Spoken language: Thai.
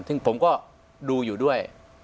ซึ่งผมก็ดูอยู่ด้วย